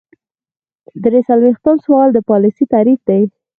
درې څلویښتم سوال د پالیسۍ تعریف دی.